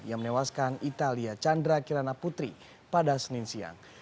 yang menewaskan italia chandra kirana putri pada senin siang